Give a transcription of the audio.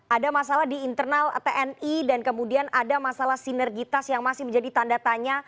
ada masalah di internal tni dan kemudian ada masalah sinergitas yang masih menjadi tanda tanya